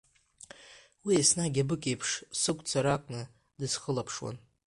Уи еснагь абык иеиԥш сыгәцаракны дысхылаԥшуан.